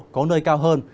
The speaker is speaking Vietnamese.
có nơi cao hơn